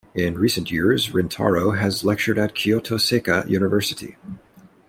In recent years, Rintaro has lectured at Kyoto Seika University.